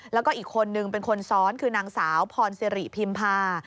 แล้วก็อีกคนนึงเป็นคนซ้อนคือนางสาวพรสิริพิมพา